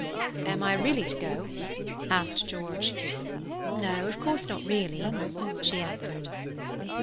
"Am I really to go?" asked George. "No, of course not really," she answered.